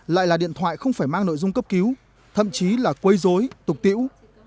lại là điện thoại không phải mang nội dung cấp cứu thậm chí là quấy dối tục tiễu